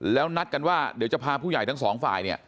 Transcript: แล้วนัดกันว่าเดี๋ยวจะพาผู้ใหญ่ทั้งสองฝ่ายเนี่ย